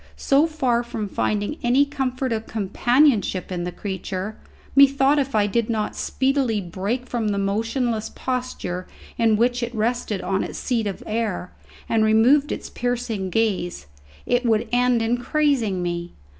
So far from finding any comfort of companionship in the creature, methought if it did not speedily break from the motionless posture in which it rested on its seat of air, and remove its piercing gaze, it would end in crazing me.